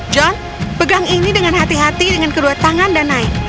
john pegang ini dengan hati hati dengan kedua tangan dan naik